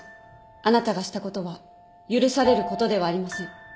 あなたがしたことは許されることではありません。